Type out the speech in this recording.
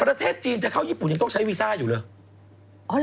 ประเทศจีนจะเข้าญี่ปุ่นยังต้องใช้วีซ่าอยู่เลย